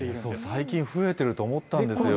最近増えてると思ったんですよ。